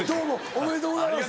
ありがとうございます。